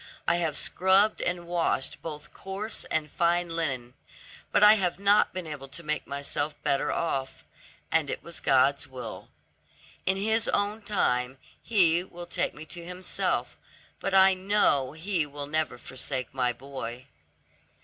I have scrubbed and washed both coarse and fine linen, but I have not been able to make myself better off; and it was God's will. In His own time He will take me to Himself, but I know He will never forsake my boy."